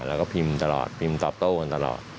แล้วก็พิมพ์ตรอบโต้กันตลอด